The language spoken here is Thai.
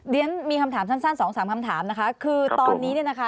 เดี๋ยวงั้นมีคำถามสั้นสองสามคำถามคือตอนนี้